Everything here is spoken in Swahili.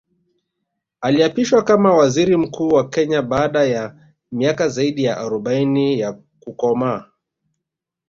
Aliapishwa kama Waziri Mkuu wa Kenya baada ya miaka zaidi ya arobaini ya kukoma